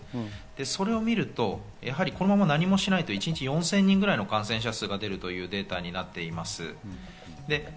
それを見ると、今後何もしないと一日４０００人ぐらいの感染者数が出るというデータになっています。